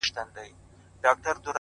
انسانانو یو متل دی پیدا کړی.!